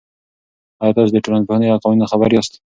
آیا تاسې د ټولنپوهنې له قوانینو خبر یاست؟